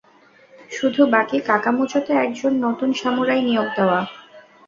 শুধু বাকি কাকামুচোতে একজন নতুন সামুরাই নিয়োগ দেওয়া।